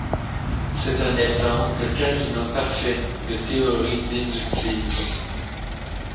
C’est un exemple quasiment parfait de théorie déductive.